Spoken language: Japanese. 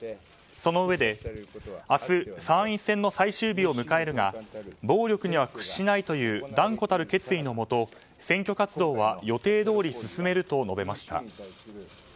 そのうえで明日、参院選の最終日を迎えるが暴力には屈しないという断固たる決意のもと選挙活動は予定どおり進めると述べました。